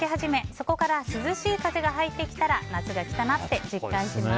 そこから涼しい風が入ってきたら夏が来たなって実感します。